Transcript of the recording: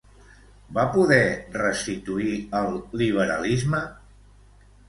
Va poder restituir el liberalisme?